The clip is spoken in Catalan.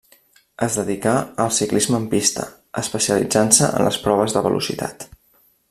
Es dedicà al ciclisme en pista, especialitzant-se en les proves de velocitat.